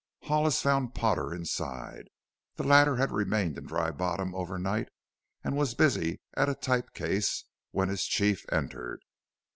Hollis found Potter inside. The latter had remained in Dry Bottom over night and was busy at a type case when his chief entered.